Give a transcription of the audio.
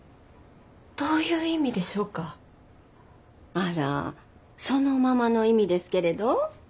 あらそのままの意味ですけれど。